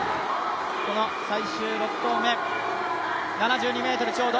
この最終６投目、７２ｍちょうど。